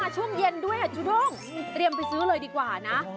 ช่วงเย็นด้วยค่ะจูด้งเตรียมไปซื้อเลยดีกว่านะ